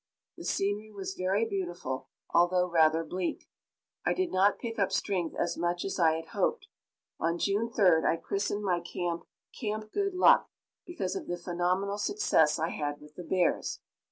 The scenery was very beautiful, although rather bleak. I did not pick up strength as much as I had hoped. On June 3d I christened my camp Camp Good Luck, because of the phenomenal success I had with the bears.